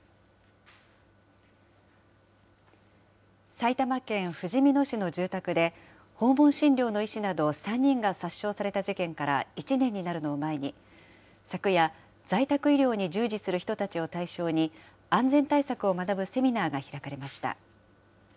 埼玉県ふじみ野市の住宅で、訪問診療の医師など３人が殺傷された事件から１年になるのを前に、昨夜、在宅医療に従事する人たちを対象に、安全対策を学ぶセミナーが開かれました。